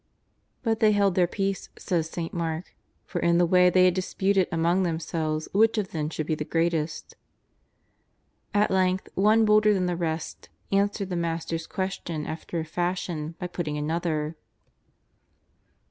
But they held their peace," says St. Mark, " for in the way they had disputed among themselves which of them should be the greatest." At length one bolder than the rest answered the Mas ter's question after a fashion by putting another: 267 2G8 JESUS OF NAZARETH.